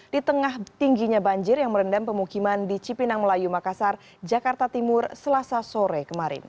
di tengah tingginya banjir yang merendam pemukiman di cipinang melayu makassar jakarta timur selasa sore kemarin